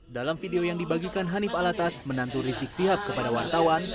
dalam video yang dibagikan hanif alatas menantu rizik sihab kepada wartawan